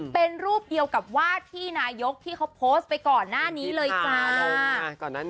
เป็นรูปเดียวกับวาดที่นายกที่เขาโพสต์ไปก่อนหน้านี้เลยจ้านง